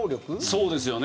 そうですよね。